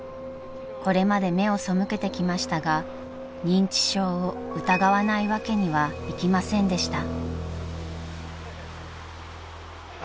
［これまで目を背けてきましたが認知症を疑わないわけにはいきませんでした］